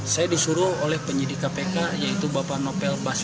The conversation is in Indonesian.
saya disuruh oleh penyidik kpk yaitu bapak novel baswedan